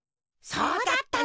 そうだったのか！